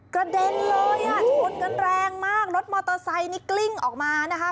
กระเด็นเลยอ่ะชนกันแรงมากรถมอเตอร์ไซค์นี่กลิ้งออกมานะคะ